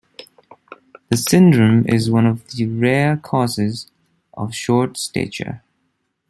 The syndrome is one of the rare causes of short stature.